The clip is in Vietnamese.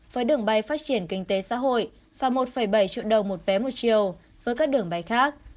với đường bay phát triển kinh tế xã hội và một bảy triệu đồng một vé một chiều với các đường bay khác